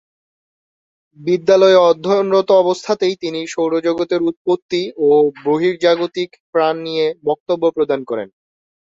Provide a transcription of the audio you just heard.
বিদ্যালয়ে অধ্যয়নরত অবস্থাতেই তিনি সৌরজগতের উৎপত্তি ও বহির্জাগতিক প্রাণ নিয়ে বক্তব্য প্রদান করেন।